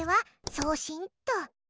送信っと。